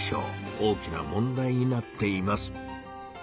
大きな問題になっています。